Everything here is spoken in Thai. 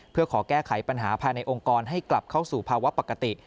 เพื่อขอแก้ไขปัญหาภายในองค์กรให้กลับเข้าสู่ภาวะปกติ